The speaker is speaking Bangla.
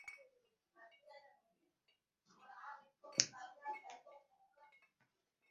এ মৌসুমে দুইবার ব্যক্তিগত সর্বোচ্চ রান করেন।